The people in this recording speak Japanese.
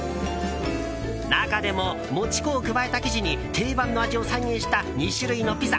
中でも、もち粉を加えた生地に定番の味を再現した２種類のピザ